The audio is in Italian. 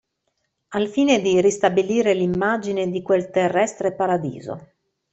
Al fine di ristabilire l'immagine di quel terrestre paradiso.